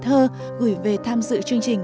thơ gửi về tham dự chương trình